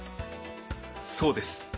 そうです。